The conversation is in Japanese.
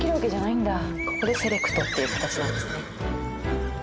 ここでセレクトって形なんですね。